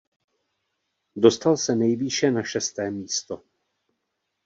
Dostal se nejvýše na šesté místo.